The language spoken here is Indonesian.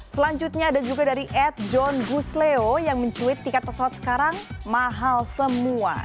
selanjutnya ada juga dari ad john gusleo yang mencuit tiket pesawat sekarang mahal semua